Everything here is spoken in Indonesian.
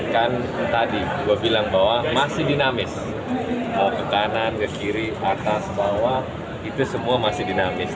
kan tadi gue bilang bahwa masih dinamis ke kanan ke kiri atas bawah itu semua masih dinamis